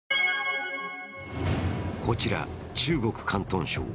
こちら、中国・広東省。